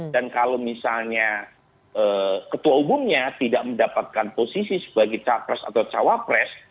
dan kalau misalnya ketua umumnya tidak mendapatkan posisi sebagai capres atau cawapres